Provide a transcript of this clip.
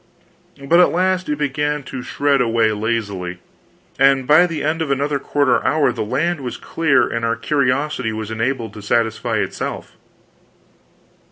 But at last it began to shred away lazily, and by the end of another quarter hour the land was clear and our curiosity was enabled to satisfy itself.